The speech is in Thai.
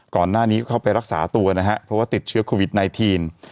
ก่อนหน้านี้เข้าไปรักษาตัวนะฮะเพราะว่าติดเชื้อโควิด๑๙